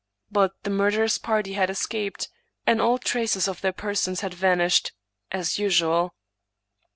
But the murderous party had escaped, and all traces of their persons had vanished, as usual.